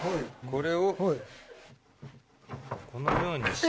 これをこのようにして。